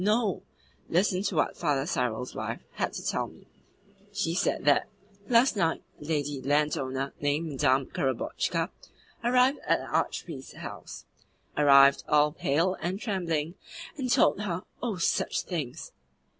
No. Listen to what Father Cyril's wife had to tell me. She said that, last night, a lady landowner named Madame Korobotchka arrived at the Archpriest's house arrived all pale and trembling and told her, oh, such things!